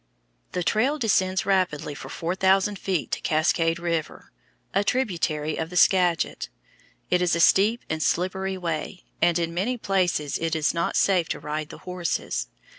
The trail descends rapidly for four thousand feet to Cascade River, a tributary of the Skagit. It is a steep and slippery way, and in many places it is not safe to ride the horses.